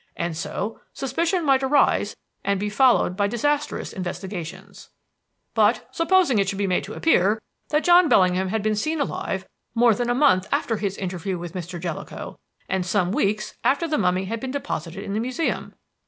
And so suspicion might arise and be followed by disastrous investigations. But supposing it should be made to appear that John Bellingham had been seen alive more than a month after his interview with Mr. Jellicoe and some weeks after the mummy had been deposited in the Museum?